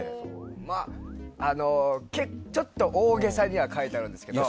まあ、ちょっと大げさには書いてあるんですけど。